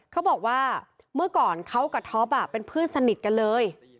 เขาบอกว่าเมื่อก่อนเขากับท็อปเป็นเพื่อนสนิทกันเลย